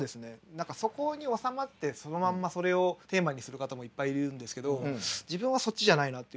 何かそこに収まってそのまんまそれをテーマにする方もいっぱいいるんですけど自分はそっちじゃないなっていうのは思いました。